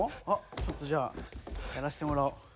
ちょっとじゃあやらしてもらおう。